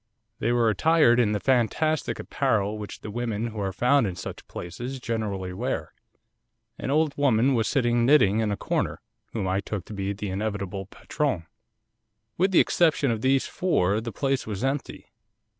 They were attired in the fantastic apparel which the women who are found in such places generally wear. An old woman was sitting knitting in a corner, whom I took to be the inevitable patronne. With the exception of these four the place was empty.